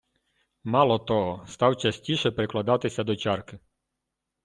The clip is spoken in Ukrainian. Мало того, став частіше прикладатися до чарки.